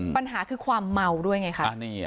ปัญหาคือความเมาด้วยไงคะ